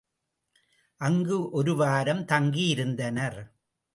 அங்கு ஒருவாரம் தங்கியிருந்தனர்.